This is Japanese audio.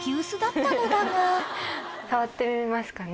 触ってみますかね。